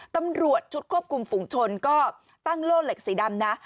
ตำรวจชุดควบคุมฝุงชนก็ตั้งโล่เหล็กสีดำนะ